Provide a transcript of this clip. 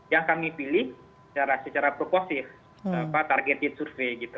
yang kami pilih secara proposif target survey gitu